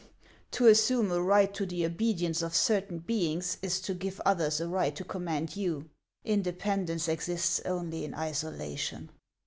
" To assume a right to the obedience of certain beings is to give others a right to command you. Independence exists only in isolation."